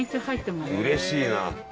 うれしいな。